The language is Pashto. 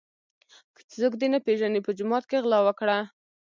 که څوک دي نه پیژني په جومات کي غلا وکړه.